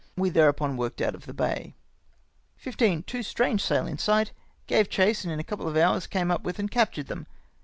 We thereupon worked out of the bay. "15. — Two strange sail in sight. Gave chase, and in a couple of hours came up with and captured them.